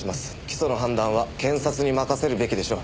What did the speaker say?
起訴の判断は検察に任せるべきでしょう。